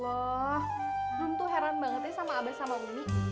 bun tuh heran banget nih sama abes sama umi